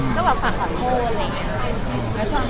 มีคุยค่ะก็แบบฝากขอโทษอะไรอย่างเงี้ยค่ะ